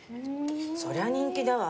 そりゃ人気だわ。